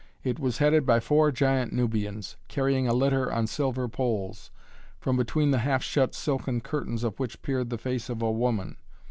It was headed by four giant Nubians, carrying a litter on silver poles, from between the half shut silken curtains of which peered the face of a woman.